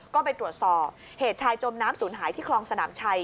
ก็ไปตรวจสอบเหตุชายจมน้ำศูนย์หายที่คลองสนามชัย